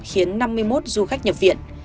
khiến năm mươi một du khách nhập viện